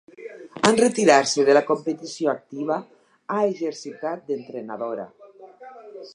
En retirar-se de la competició activa ha exercitat d'entrenadora.